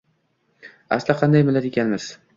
Asli qanday millat ekanmiz.